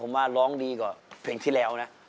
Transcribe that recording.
ผมว่าร้องดีกว่าเพลงที่แล้วนะ